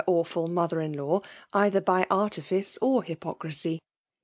awfol mother'in law, either by ardfico or hy pocrisy.